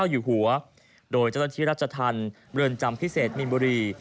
อยู่หัวโดยจัดงานที่ราชทำเมินจำพิเศษมีบรี